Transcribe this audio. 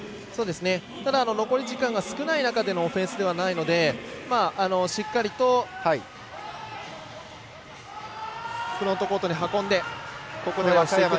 残り時間が少ない中でのオフェンスではないのでしっかりとフロントコート運んで。